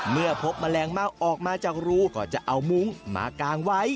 เมื่อพบแมลงเม่าออกมาจากรูก็จะเอามุ้งมากางไว้